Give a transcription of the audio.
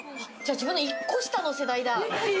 自分の１個下の世代だ。